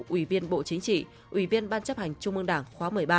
ủy viên bộ chính trị ủy viên ban chấp hành trung ương đảng khóa một mươi ba